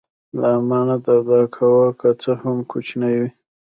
د امانت ادا کوه که څه هم کوچنی وي.